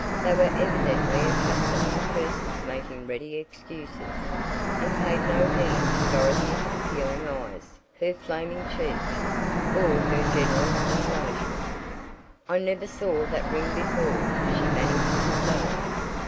They were evidently accustomed to persons making ready excuses, and paid no heed to Dorothy's appealing eyes, her flaming cheeks, or her general astonishment. "I never saw that ring before," she managed to say.